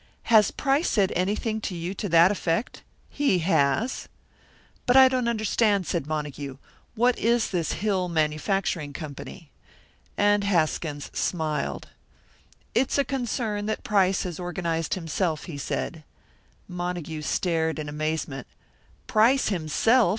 "Has Price said anything to you to that effect?" "He has." "But I don't understand," said Montague; "what is this Hill Manufacturing Company?" And Haskins smiled. "It's a concern that Price has organised himself," he said. Montague stared in amazement. "Price himself!"